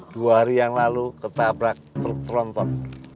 dua hari yang lalu ketabrak truk tronton